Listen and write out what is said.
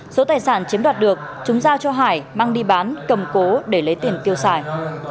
số tài sản chiếm đoạt được chúng giao cho hải mang đi bán cầm cố để lấy tiền tiêu xài